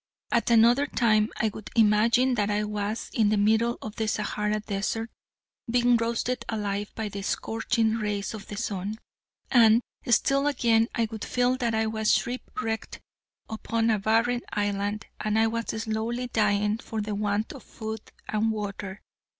At another time I would imagine that I was in the middle of the Sahara Desert, being roasted alive by the scorching rays of the sun. And, still again, I would feel that I was shipwrecked upon a barren island, and was slowly dying for the want of food and water.